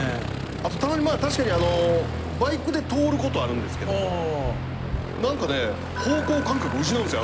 たまに確かにバイクで通ることはあるんですけどもなんかね方向感覚失うんですよ